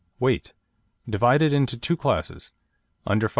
WEIGHT Divided into two classes; under 5 lb.